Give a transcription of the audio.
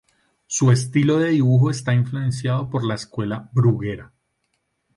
Su estilo de dibujo está influenciado por la Escuela Bruguera.